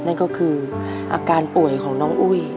นั่นก็คืออาการป่วยของน้องอุ้ย